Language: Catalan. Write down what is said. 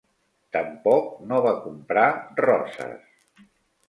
Tampoc no va comprar roses.